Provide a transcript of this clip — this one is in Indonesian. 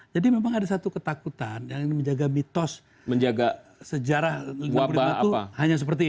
jadi memang ada satu ketakutan yang menjaga mitos sejarah negara berikutnya itu hanya seperti ini